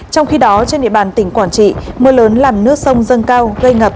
trong khi đó trên địa bàn tỉnh quảng trị mưa lớn làm nước sông dâng cao gây ngập